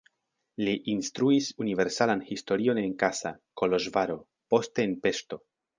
Li instruis universalan historion en Kassa, Koloĵvaro, poste en Peŝto.